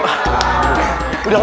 wih di bapaknya